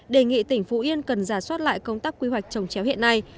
đề nghị tỉnh phú yên cần giả soát lại công tác quy hoạch trồng chéo hiện nay